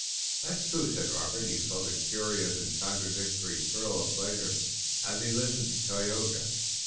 "That's true," said Robert, and he felt a curious and contradictory thrill of pleasure as he listened to Tayoga.